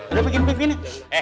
udah bikin begini